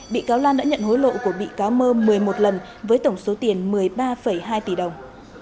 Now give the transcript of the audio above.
bị cáo lan đã nhận hối lộ của bị cáo mơ một mươi một lần với tổng số tiền một mươi ba hai tỷ đồng